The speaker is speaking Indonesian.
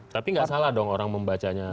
tapi nggak salah dong orang membacanya